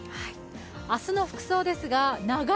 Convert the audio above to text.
明日の服装ですが長い